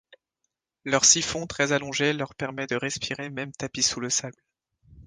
Leur siphon très allongé leur permet de respirer même tapis sous le sable.